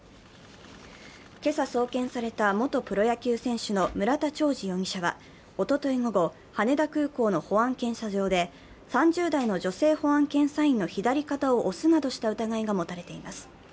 今朝送検された元プロ野球選手の村田兆治容疑者はおととい午後、羽田空港の保安検査場で、３０代の女性保安検査員の左肩を押すなどした疑いが持たれています。